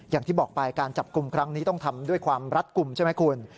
อย่างที่บอกไปการจับกลุ่มครั้งนี้ต้องทำด้วยความรัดกลุ่มใช่ไหมคุณ